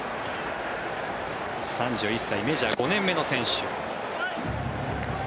３１歳、メジャー５年目の選手。